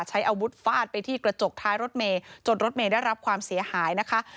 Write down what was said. ใช้อาวุธฟาดไปที่กระจกท้ายรถเมย์จนรถเมย์ได้รับความเสียหายนะคะ